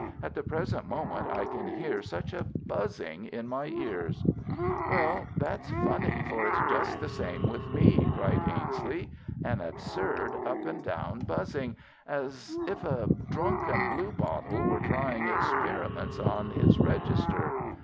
At the present moment I can hear such a buzzing in my ears." "Well, that's funny, for it's just the same with me," cried Ainslie. "An absurd up and down buzzing, as if a drunken bluebottle were trying experiments on his register.